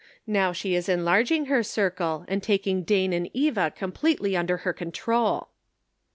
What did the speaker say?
Now she is enlarging her circle and taking Dane and Eva completely under her control."